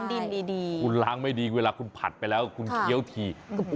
ดินดีคุณล้างไม่ดีเวลาคุณผัดไปแล้วคุณเคี้ยวที